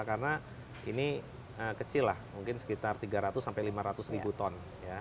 karena ini kecil lah mungkin sekitar tiga ratus lima ratus ribu ton